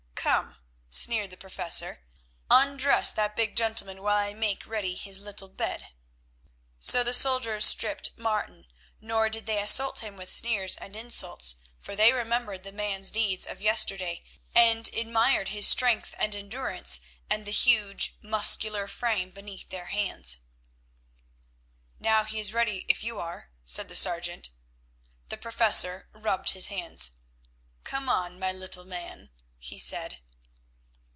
"Come," sneered the Professor, "undress that big gentleman while I make ready his little bed." So the soldiers stripped Martin, nor did they assault him with sneers and insults, for they remembered the man's deeds of yesterday, and admired his strength and endurance, and the huge, muscular frame beneath their hands. "Now he is ready if you are," said the sergeant. The Professor rubbed his hands. "Come on, my little man," he said.